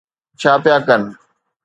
ڇا پيا ڪن؟